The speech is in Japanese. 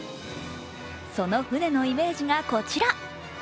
その船のイメージがこちら。